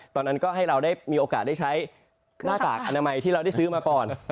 ตอนนั้นก็ให้เราได้มีโอกาสได้ใช้หน้ากากอนามัยที่เราได้ซื้อมาก่อน